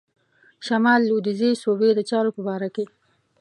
شمال لوېدیځي صوبې د چارو په باره کې.